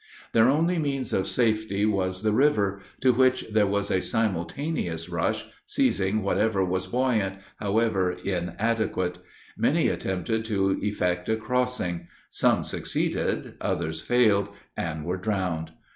"Their only means of safety was the river, to which there was a simultaneous rush, seizing whatever was buoyant, however inadequate; many attempted to effect a crossing; some succeeded; others failed, and were drowned.